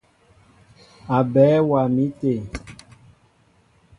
Aɓέɛ waá mi té.